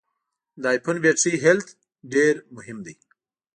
د ای فون بټري هلټ ډېر مهم دی.